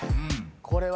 これは。